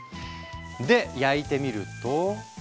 で焼いてみると。